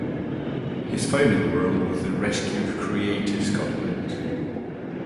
His final role was the rescue of Creative Scotland.